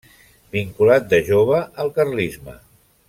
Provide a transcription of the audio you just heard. Vinculat de jove al carlisme.